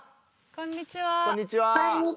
こんにちは。